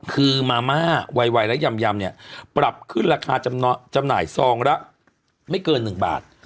คือมาม่าไวและยำเนี่ยปรับขึ้นราคาจำหน่ายซองละไม่เกิน๑บาท